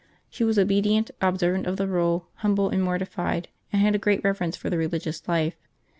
She was obedient, observant of the rule, humble and mortified, and had a great reverence for the religious life.